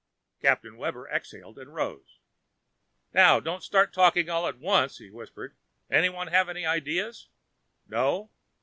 Captain Webber exhaled and rose. "Now, don't start talking all at once," he whispered. "Anyone have any ideas? No?